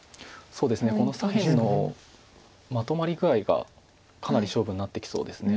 この左辺のまとまり具合がかなり勝負になってきそうです。